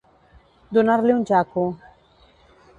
Donar-li un jaco.